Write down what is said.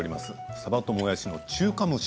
さばともやしの中華蒸し。